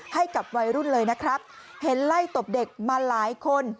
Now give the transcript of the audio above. ให้กับวัยรุ่นเลยนะครับเห็นไล่ตบเด็กมาหลายคน